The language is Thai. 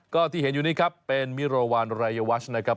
ก็ที่เห็นอยู่นี้ครับเป็นมิโรวันรายวัชนะครับ